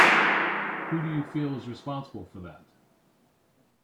Who do you feel is responsible for that?